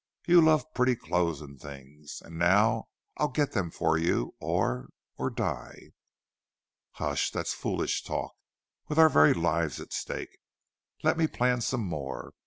You love pretty clothes and things. And now I'll get them for you or or die." "Hush! That's foolish talk, with our very lives at stake. Let me plan some more.